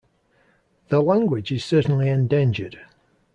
The language is certainly endangered.